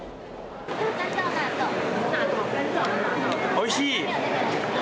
おいしい。